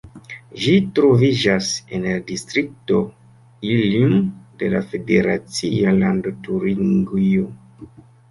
Ĝi troviĝas en la distrikto Ilm de la federacia lando Turingio.